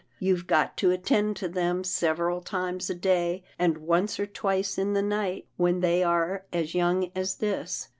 You've got to attend to them several times a day, and once or twice in the night when they are as young as this.